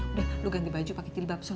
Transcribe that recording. udah lo ganti baju pake tilbap son